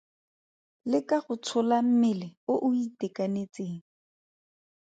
Leka go tshola mmele o o itekanetseng.